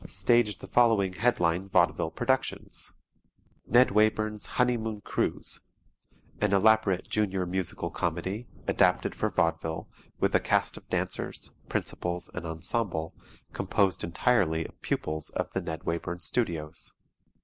Staged the following headline vaudeville productions: "NED WAYBURN'S HONEYMOON CRUISE" an elaborate junior musical comedy, adapted for vaudeville, with a cast of dancers, principals and ensemble, composed entirely of pupils of the Ned Wayburn Studios.